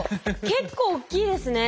結構大きいですね。